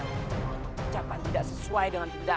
aku menerima ucapan tidak sesuai dengan tindakan